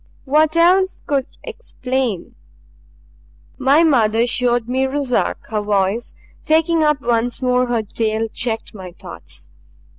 What else could explain "My mother showed me Ruszark," her voice, taking up once more her tale, checked my thoughts.